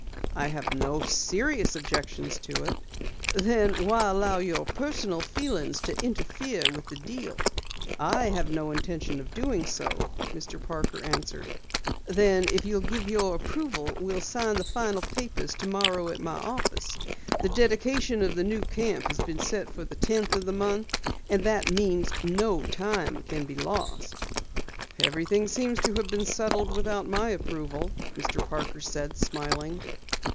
"I have no serious objections to it." "Then why allow your personal feelings to interfere with the deal?" "I have no intention of doing so," Mr. Parker answered. "Then if you'll give your approval, we'll sign the final papers tomorrow at my office. The dedication of the new camp has been set for the tenth of the month, and that means no time can be lost." "Everything seems to have been settled without my approval," Mr. Parker said, smiling.